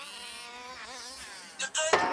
هغوی په لومړیو کې ماتې وخوړه.